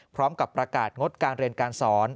พร้อมกับประกาศงดการเรียนการสอน